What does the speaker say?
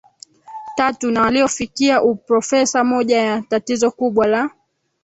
tatu na waliofikia uprofesa Moja ya tatizo kubwa la